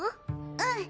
うん。